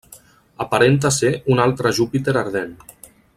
Aparenta ser un altre Júpiter ardent.